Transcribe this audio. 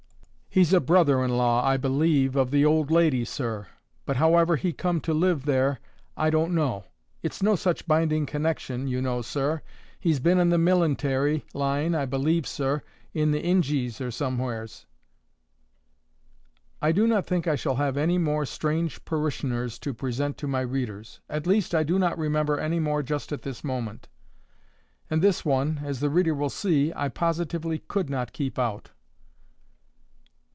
"He's a brother in law, I believe, of the old lady, sir, but how ever he come to live there I don't know. It's no such binding connexion, you know, sir. He's been in the milintairy line, I believe, sir, in the Ingies, or somewheres." I do not think I shall have any more strange parishioners to present to my readers; at least I do not remember any more just at this moment. And this one, as the reader will see, I positively could not keep out.